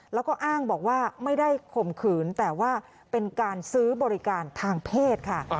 แล้วก็อ้างบอกว่าไม่ได้ข่มขืนแต่ว่าเป็นการซื้อบริการทางเพศค่ะ